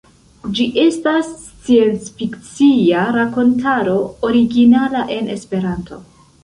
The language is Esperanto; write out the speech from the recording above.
Ĝi estas sciencfikcia rakontaro, originala en esperanto.